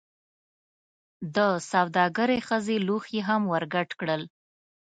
دسوداګرې ښځې لوښي هم ورډک کړل.